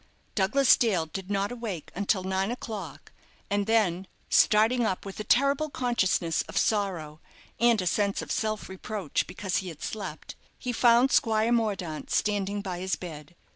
Douglas Dale did not awake until nine o'clock, and then, starting up with a terrible consciousness of sorrow, and a sense of self reproach because he had slept, he found Squire Mordaunt standing by his bed.